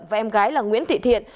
và em gái là nguyễn thị thiện